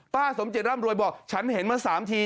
ป้าสมจิตร์ร่ำรวยบอกฉันเห็นมาสามที